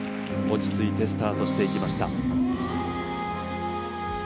落ち着いてスタートしていきました。